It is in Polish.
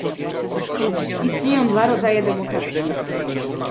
Istnieją dwa rodzaje demokracji